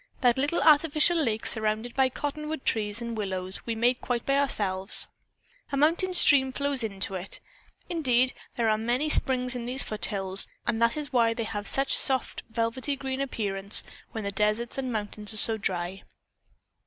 "That little artificial lake surrounded by cottonwood trees and willows we made quite by ourselves. A mountain stream flows into it. Indeed, there are many springs in these foothills and that is why they have such a soft, velvety green appearance when the desert and mountains are so dry."